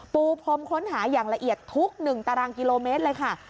ปูพรมค้นหาอย่างละเอียดทุก๑ตารางกิโลเมตรเลยค่ะ